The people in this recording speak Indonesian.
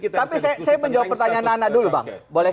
tapi saya menjawab pertanyaan nana dulu bang